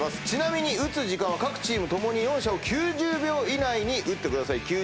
ちなみに打つ時間は各チーム共に４射を９０秒以内に打ってください。